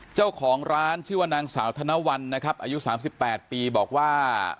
เจ้าของร้านชื่อว่านางสาวธนวัลนะครับอายุ๓๘ปีบอกว่า